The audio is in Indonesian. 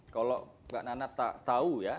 kalau mbak nana tahu ya